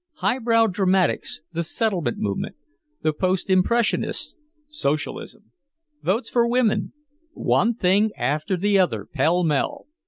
High brow dramatics, the settlement movement, the post impressionists, socialism, votes for women, one thing after the other pell mell.